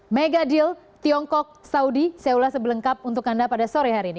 mega deal tiongkok saudi saya ulas sebelengkap untuk anda pada sore hari ini